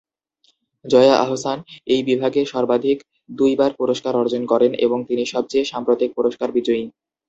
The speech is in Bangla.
জয়া আহসান এই বিভাগে সর্বাধিক দুইবার পুরস্কার অর্জন করেন এবং তিনি সবচেয়ে সাম্প্রতিক পুরস্কার বিজয়ী।